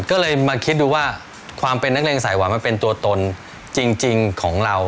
ก็เลยมาคิดดูว่าความเป็นนักเลงสายหวานมันเป็นตัวตนจริงของเรา